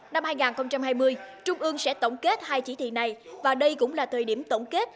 năm hai nghìn hai mươi trung ương sẽ tổng kết hai chỉ thị này và đây cũng là thời điểm tổng kết